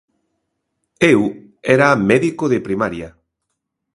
Eu era médico de primaria.